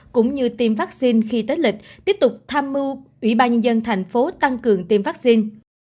cũng như tiêm vaccine khi tết lịch tiếp tục tham mưu ủy ban nhân dân thành phố tăng cường tiêm vaccine